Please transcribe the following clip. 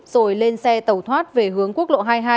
rồi lên xe tẩu thoát về hướng quốc lộ hai mươi hai